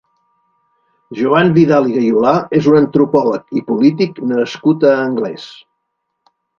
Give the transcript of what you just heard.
Joan Vidal i Gayolà és un antropòleg i polític nascut a Anglès.